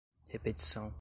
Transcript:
repetição